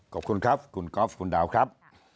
ขอบคุณครับคุณก๊อฟคุณดาวครับ